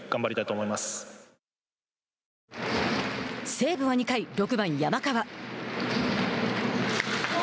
西武は２回、６番山川。